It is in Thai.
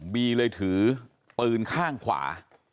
บีเลยถือปืนข้างขวา